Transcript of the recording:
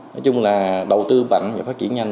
nói chung là đầu tư mạnh và phát triển nhanh